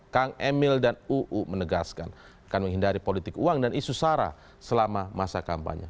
kang emil dan uu menegaskan akan menghindari politik uang dan isu sara selama masa kampanye